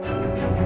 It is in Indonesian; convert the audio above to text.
dia sangat peduli